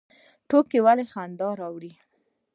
ټوکې ولې خندا راوړي؟